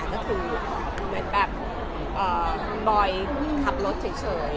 ก็ไม่ถึงเหมือนแบบคุณบ่อยขับรถเฉย